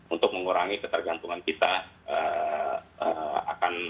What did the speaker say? untuk mengurangi ketergantungan kita akan